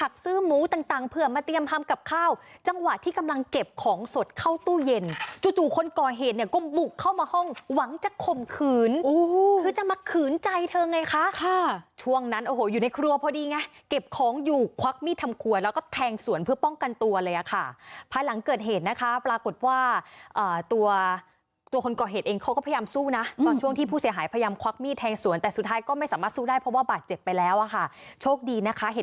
คือจะมาขืนใจเธอไงคะช่วงนั้นโอ้โหอยู่ในครัวพอดีไงเก็บของอยู่ควักมีดทำควรแล้วก็แทงสวนเพื่อป้องกันตัวเลยอ่ะค่ะภายหลังเกิดเหตุนะคะปรากฏว่าตัวตัวคนก่อเหตุเองเขาก็พยายามสู้นะตอนช่วงที่ผู้เสียหายพยายามควักมีดแทงสวนแต่สุดท้ายก็ไม่สามารถสู้ได้เพราะว่าบาดเจ็บไปแล้วอ่ะค่ะโชคดีนะคะเห